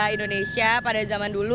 indonesia pada zaman dulu